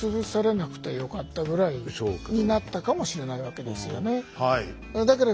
ぐらいになったかもしれないわけですよね。